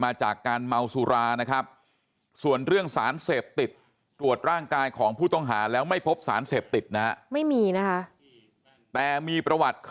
มาจากการเมาศุรานะครับส่วนเรื่องสารเศษติด